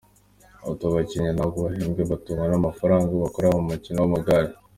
Ati "Abakinnyi ntabwo bahembwa batungwa n’amafaranga bakorera mu mukino w’amagare.